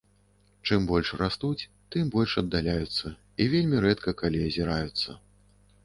Чым больш растуць, тым больш аддаляюцца і вельмі рэдка калі азіраюцца.